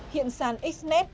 hiện sàn xnet